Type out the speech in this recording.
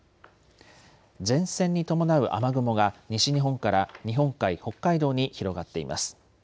前線に伴う雨雲が西日本から日本海、北海道に広がっています。